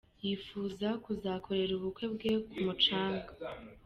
Yifuza kuzakorera ubukwe bwe ku mucanga.